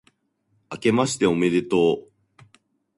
あけましておめでとう、